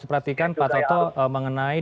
diperhatikan pak toto mengenai